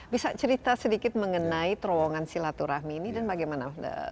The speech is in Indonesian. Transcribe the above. bisa cerita sedikit mengenai terowongan silaturahmi ini dan bagaimana